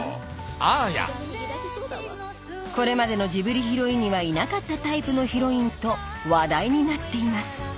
アーヤこれまでのジブリヒロインにはいなかったタイプのヒロインと話題になっています